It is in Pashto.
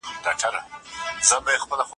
هیوادونه به د بې عدالتۍ مخنیوی کوي.